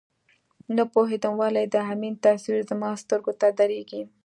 نه پوهېدم ولې د امین تصویر زما سترګو ته درېږي.